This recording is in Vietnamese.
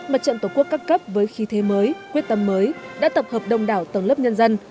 mặt trận tổ quốc các cấp với khí thế mới quyết tâm mới đã tập hợp đông đảo tầng lớp nhân dân